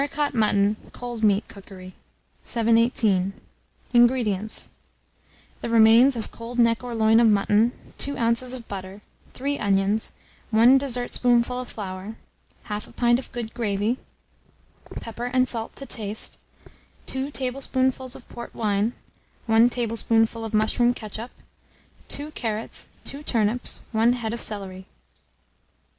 HARICOT MUTTON (Cold Meat Cookery). 718. INGREDIENTS. The remains of cold neck or loin of mutton, 2 oz. of butter, 3 onions, 1 dessertspoonful of flour, 1/2 pint of good gravy, pepper and salt to taste, 2 tablespoonfuls of port wine, 1 tablespoonful of mushroom ketchup, 2 carrots, 2 turnips, 1 head of celery.